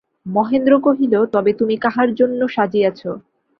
মহেন্দ্র কহিল, তবে তুমি কাহার জন্য সাজিয়াছ।